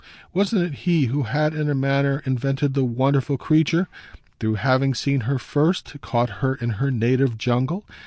Wasn't it he who had in a manner invented the wonderful creature through having seen her first, caught her in her native jungle?